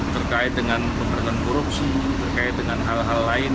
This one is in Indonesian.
terkait dengan pemberantasan korupsi terkait dengan hal hal lain